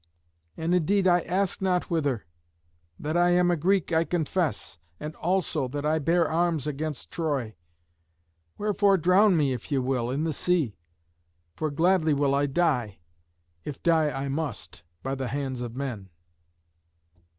And indeed I ask not whither. That I am a Greek, I confess, and also that I bare arms against Troy. Wherefore drown me, if ye will, in the sea. For gladly will I die, if die I must, by the hands of men."